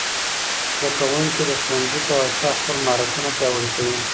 زدهکوونکي د ښوونځي په واسطه خپل مهارتونه پیاوړي کوي.